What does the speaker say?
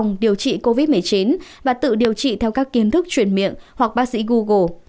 người dân tự mua thuốc phòng điều trị covid một mươi chín và tự điều trị theo các kiến thức chuyển miệng hoặc bác sĩ google